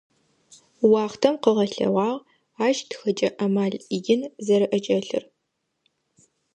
Уахътэм къыгъэлъэгъуагъ ащ тхэкӏэ амал ин зэрэӏэкӏэлъыр.